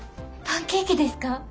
パンケーキですか？